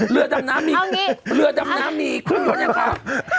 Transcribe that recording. เอ่อเรือดำน้ำหนีเอาอย่างงี้เรือดำน้ำหนีคุณอยู่ไหนค่ะเอ้า